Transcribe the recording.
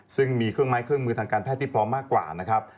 ซึ่งมีเครื่องไม้เครื่องมือทางการแพทย์ที่พร้อมมากกว่านะครับ